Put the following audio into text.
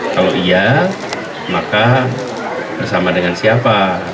kalau iya maka bersama dengan siapa